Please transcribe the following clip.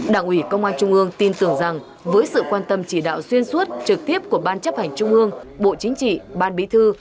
đảng ủy công an trung ương tin tưởng rằng với sự quan tâm chỉ đạo xuyên suốt trực tiếp của ban chấp hành trung ương bộ chính trị ban bí thư